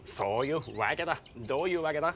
どういうわけだ？